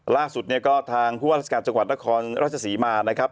ล่าสุดนี่ก็ทางภูมิธรัฐการณ์จังหวัดละครราชสีมานะครับ